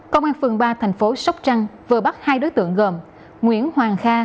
công an phường ba thành phố sóc trăng vừa bắt hai đối tượng gồm nguyễn hoàng kha